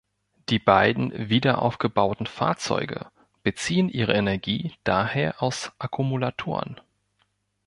Die beiden wiederaufgebauten Fahrzeuge beziehen ihre Energie daher aus Akkumulatoren.